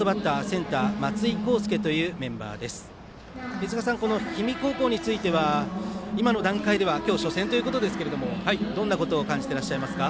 飯塚さん、氷見高校については今の段階では今日、初戦ということですけどもどんなことを感じてらっしゃいますか？